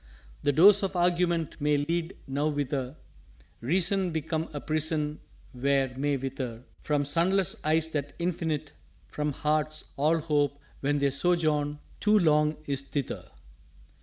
_" "The doors of Argument may lead Nowhither, Reason become a Prison where may wither From sunless eyes the Infinite, from hearts All Hope, when their sojourn too long is thither."